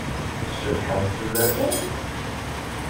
Cebḥent fell-asen?